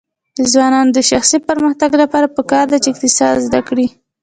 د ځوانانو د شخصي پرمختګ لپاره پکار ده چې اقتصاد زده کړي.